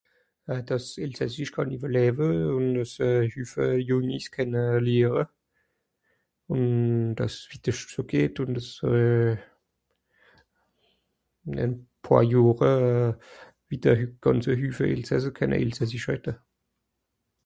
Euh, dàss s'Elsassisch kànn ìwwerläwe ùn, àss e Hüffe Jùngi 's kenne lehre, ùn, dàss 's Wittersch so geht ùn, àss euh... ìn e poàr Johre euh... widder gànze Hüffe Elsasser kenne elsassisch redde.